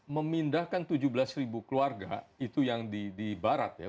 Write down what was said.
memindahkan tujuh belas ribu keluarga itu yang di barat ya